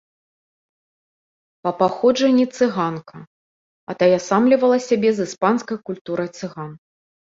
Па паходжанні цыганка, атаясамлівала сябе з іспанскай культурай цыган.